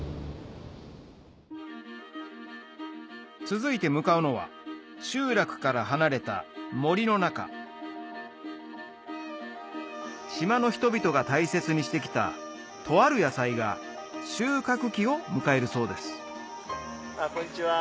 続いて向かうのは集落から離れた森の中島の人々が大切にしてきたとある野菜が収穫期を迎えるそうですこんにちは。